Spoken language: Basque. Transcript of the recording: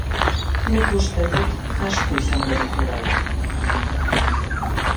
Nik uste dut asko izango ditudala.